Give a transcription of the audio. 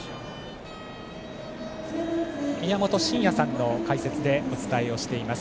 宮本慎也さんの解説でお伝えをしています。